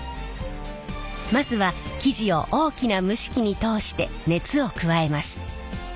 まずは生地を大きな蒸し機に通して熱を加えます。